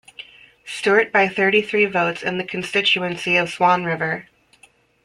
Stewart by thirty-three votes in the constituency of Swan River.